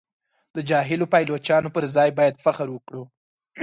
د جاهلو پایلوچانو پر ځای باید فخر وکړو.